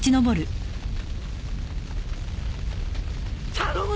頼む！